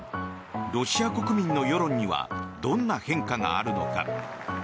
ロシア国民の世論にはどんな変化があるのか。